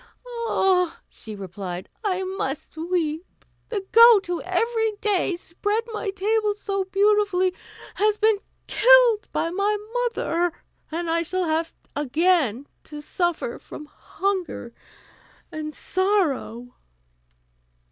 "Ah!" she replied, "I must weep. The goat, who every day spread my table so beautifully, has been killed by my mother, and I shall have again to suffer from hunger and sorrow."